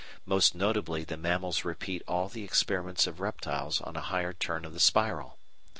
_Most notably the mammals repeat all the experiments of reptiles on a higher turn of the spiral.